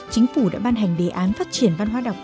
chính phủ đã ban hành đề án phát triển văn hóa đọc